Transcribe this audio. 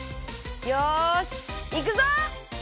よしいくぞ！